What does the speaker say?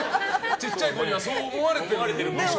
ちっちゃい子にはそう思われてるんでしょうね。